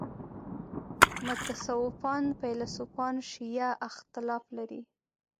متصوفان فیلسوفان شیعه اختلاف لري.